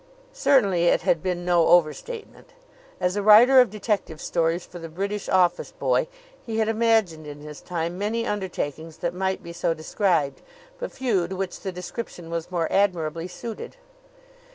Certainly it had been no overstatement. As a writer of detective stories for the British office boy, he had imagined in his time many undertakings that might be so described, but few to which the description was more admirably suited.